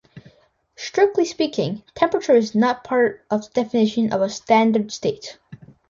Strictly speaking, temperature is not part of the definition of a standard state.